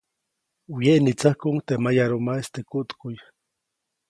Wyeʼnitsäkuʼuŋ teʼ mayarumaʼis teʼ kuʼtkuʼy.